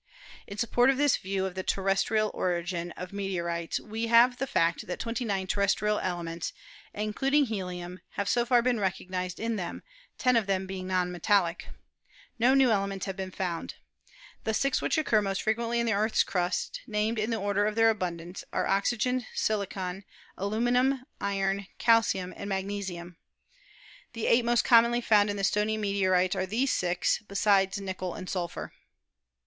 In support of this view of the terrestrial origin of me teorites we have the fact that twenty nine terrestrial ele ments, including helium, have so far been recognised in them, ten of them being non metallic. No new elements 256 ASTRONOMY have been found. The six which occur most frequently in the Earth's crust, named in the order of their abundance, are oxygen, silicon, aluminium, iron, calcium and mag nesium. The eight most commonly found in the stony meteorites are these six, besides nickel and sulphur.